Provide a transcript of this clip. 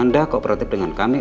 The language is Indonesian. anda kooperatif dengan kami